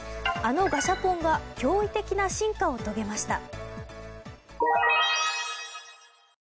あのガシャポンが驚異的な進化を遂げました。